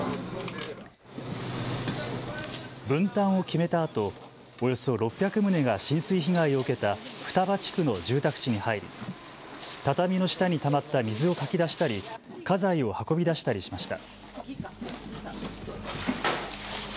分担を決めたあとおよそ６００棟が浸水被害を受けた双葉地区の住宅地に入り畳の下にたまった水をかき出したり家財を運び出したりしました。